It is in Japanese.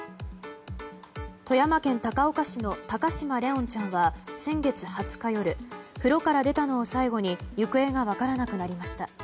富山県高岡市の高嶋怜音ちゃんは先月２０日夜風呂から出たのを最後に行方が分からなくなりました。